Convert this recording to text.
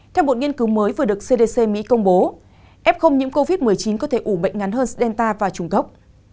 theo một nghiên cứu mới vừa được cdc mỹ công bố f nhiễm covid một mươi chín có thể ủ bệnh ngắn hơn selta và trùng gốc